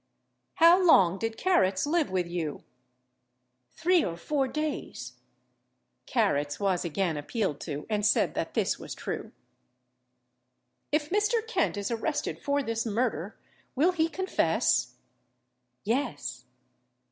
] "How long did Carrots live with you?" "Three or four days." [Carrots was again appealed to, and said that this was true.] "If Mr. Kent is arrested for this murder, will he confess?" "Yes."